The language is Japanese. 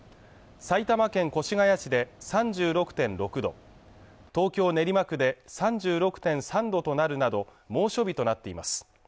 埼玉県越谷市で３６．６度東京練馬区で３６．３度となるなど猛暑日となっています